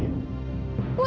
biar aku aja